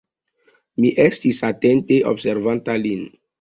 Mi estis atente observanta lin.